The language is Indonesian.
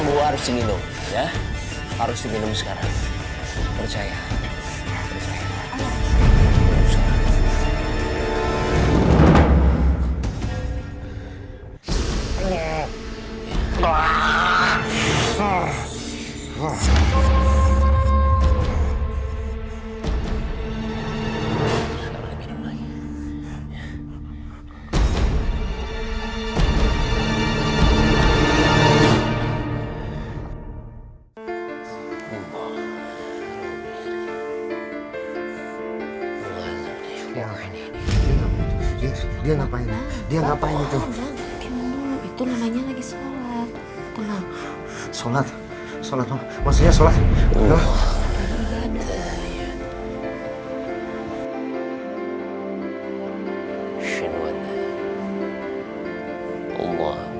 terima kasih telah penonton